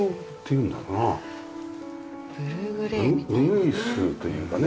うぐいすというかね。